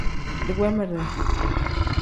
Digbeemire.